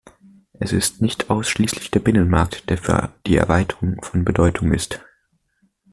Es ist nicht ausschließlich der Binnenmarkt, der für die Erweiterung von Bedeutung ist.